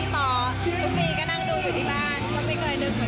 วันนี้ก็บอกพระพ่อซูซู